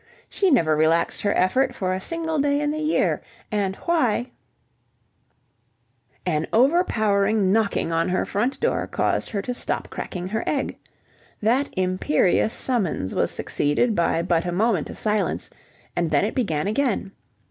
She never relaxed her effort for a single day in the year, and why An overpowering knocking on her front door caused her to stop cracking her egg. That imperious summons was succeeded by but a moment of silence, and then it began again.